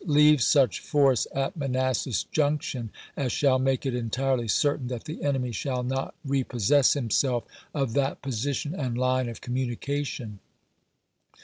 Leave such force at Manassas Junction as shall make it entirely certain that the enemy shall not repossess himself of that position and hne of communication.